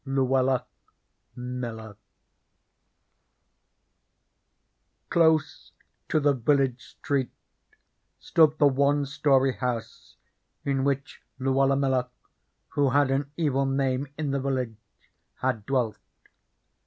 LUELLA MILLER Close to the village street stood the one story house in which Luella Miller, who had an evil name in the village, had dwelt.